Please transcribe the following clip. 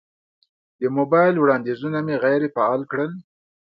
د موبایل وړاندیزونه مې غیر فعال کړل.